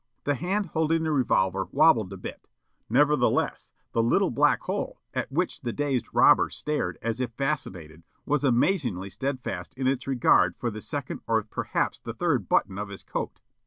The hand holding the revolver wobbled a bit; nevertheless, the little black hole at which the dazed robber stared as if fascinated was amazingly steadfast in its regard for the second or perhaps the third button of his coat.